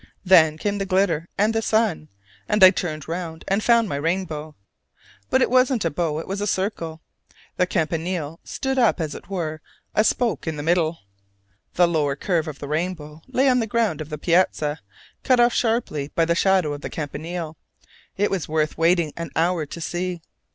Then came the glitter and the sun, and I turned round and found my rainbow. But it wasn't a bow, it was a circle: the Campanile stood up as it were a spoke in the middle, the lower curve of the rainbow lay on the ground of the Piazzetta, cut off sharp by the shadow of the Campanile. It was worth waiting an hour to see.